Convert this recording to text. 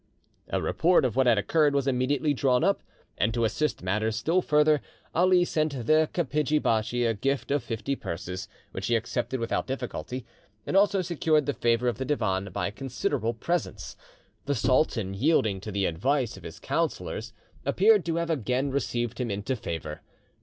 A report of what had occurred was immediately drawn up, and, to assist matters still further, Ali sent the kapidgi bachi a gift of fifty purses, which he accepted without difficulty, and also secured the favour of the Divan by considerable presents. The sultan, yielding to the advice of his councillors, appeared to have again received him into favour.